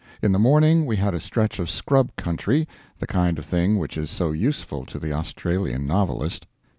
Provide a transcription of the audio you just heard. In the morning we had a stretch of "scrub" country the kind of thing which is so useful to the Australian novelist.